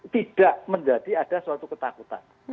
tidak menjadi ada suatu ketakutan